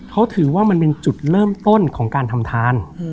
เขาถือว่ามันเป็นจุดเริ่มต้นของการทำทาน